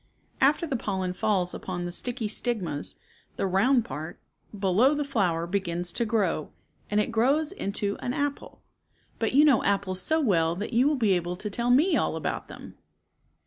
After the pollen falls upon the sticky stigmas, the round part, below the flower begins to grow, and it grows into an apple, but you know apples so well that you will be able to tell me all about them.